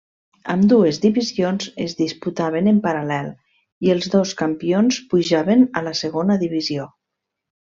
Ambdues divisions es disputaven en paral·lel i els dos campions pujaven a la segona divisió.